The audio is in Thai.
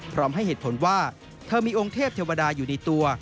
พร้อมให้เหตุผลว่าเธอมีองค์เทพเทวดาอยู่ในตัว